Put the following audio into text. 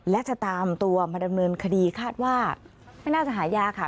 และจะตามตัวมาดำเนินคดีคาดว่าไม่น่าจะหายาค่ะ